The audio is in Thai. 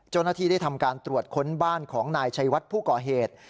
เจ้าหน้าที่ได้ทำการตรวจค้นบ้านของนายชัยวัดผู้ก่อเหตุ